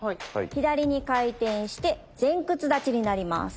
左に回転して前屈立ちになります